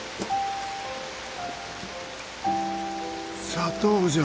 砂糖じゃ。